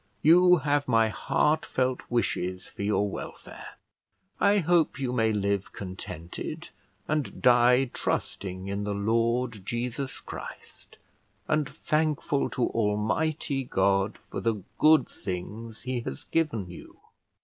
you have my heartfelt wishes for your welfare. I hope you may live contented, and die trusting in the Lord Jesus Christ, and thankful to Almighty God for the good things he has given you.